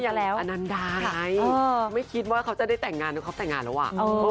อย่างนั้นได้ไม่คิดว่าเขาจะได้แต่งงานแต่เขาแต่งงานแล้วอะ